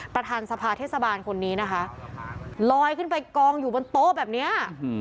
ประธานสภาเทศบาลคนนี้นะคะลอยขึ้นไปกองอยู่บนโต๊ะแบบเนี้ย